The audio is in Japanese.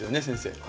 先生。